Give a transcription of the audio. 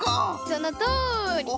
そのとおり！